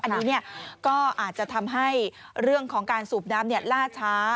อันนี้ก็อาจจะทำให้เรื่องของการสูบน้ำล่าช้า